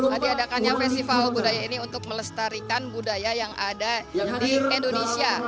jadi adakannya festival budaya ini untuk melestarikan budaya yang ada di indonesia